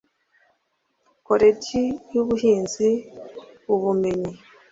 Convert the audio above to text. koleji y ubuhinzi ubumenyi